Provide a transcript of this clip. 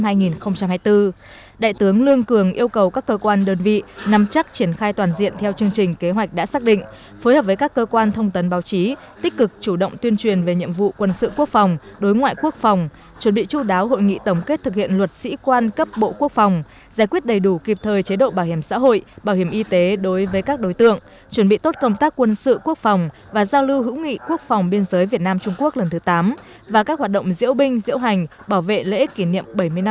tháng ba năm hai nghìn hai mươi bốn đại tướng lương cường yêu cầu các cơ quan đơn vị nằm chắc triển khai toàn diện theo chương trình kế hoạch đã xác định phối hợp với các cơ quan thông tấn báo chí tích cực chủ động tuyên truyền về nhiệm vụ quân sự quốc phòng đối ngoại quốc phòng chuẩn bị chú đáo hội nghị tổng kết thực hiện luật sĩ quan cấp bộ quốc phòng giải quyết đầy đủ kịp thời chế độ bảo hiểm xã hội bảo hiểm y tế đối với các đối tượng chuẩn bị tốt công tác quân sự quốc phòng và giao lưu hữu nghị quốc phòng biên giới việt nam